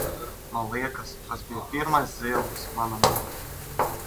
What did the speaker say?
Man liekas, tas bija pirmais dzejolis manā mūžā.